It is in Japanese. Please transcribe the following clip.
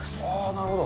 なるほど。